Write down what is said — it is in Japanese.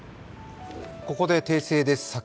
ここで訂正です。